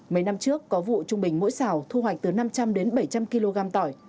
mấy năm trước có vụ trung bình mỗi xào thu hoạch từ năm trăm linh đến bảy trăm linh kg tỏi